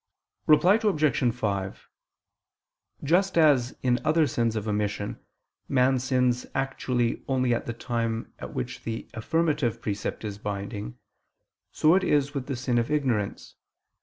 Reply Obj. 5: Just as in other sins of omission, man sins actually only at the time at which the affirmative precept is binding, so is it with the sin of ignorance.